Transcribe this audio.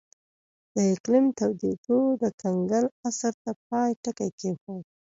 د اقلیم تودېدو د کنګل عصر ته پای ټکی کېښود.